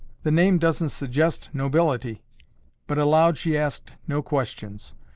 The name doesn't suggest nobility." But aloud she asked no questions.